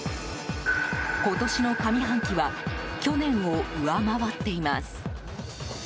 今年の上半期は去年を上回っています。